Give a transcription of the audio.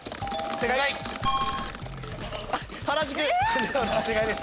正解です。